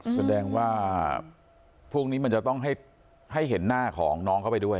แสดงว่าพวกนี้มันจะต้องให้เห็นหน้าของน้องเข้าไปด้วย